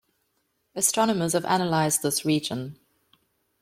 Astronomers have analyzed this region.